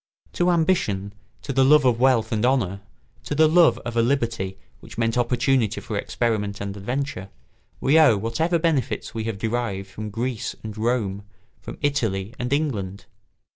To ambition, to the love of wealth and honour, to love of a liberty which meant opportunity for experiment and adventure, we owe whatever benefits we have derived from Greece and Rome, from Italy and England.